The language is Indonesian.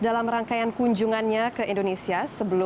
dalam rangkaian kunjungannya ke indonesia